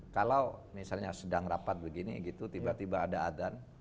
kalau misalnya sedang rapat begini gitu tiba tiba ada adan